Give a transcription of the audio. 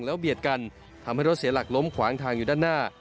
แล้วเบียดกันทำให้รถเสียหลักล้มขวางทางอยู่ด้านหน้า